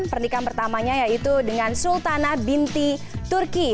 pernikahan pertamanya yaitu dengan sultana binti turki